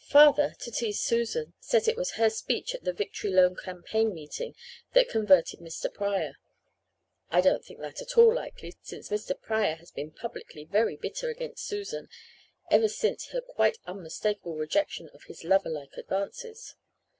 "Father, to tease Susan, says it was her speech at the Victory Loan Campaign meeting that converted Mr. Pryor. I don't think that at all likely, since Mr. Pryor has been publicly very bitter against Susan ever since her quite unmistakable rejection of his lover like advances.